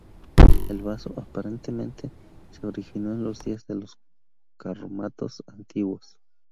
El vaso, aparentemente, se originó en los días de los carromatos antiguos.